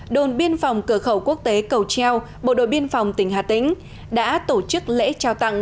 đồn biên phòng cửa khẩu quốc tế cầu treo bộ đội biên phòng tỉnh hà tĩnh đã tổ chức lễ trao tặng